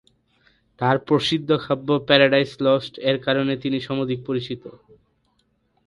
তার প্রসিদ্ধ কাব্য paradise lost এর কারণে তিনি সমধিক পরিচিত।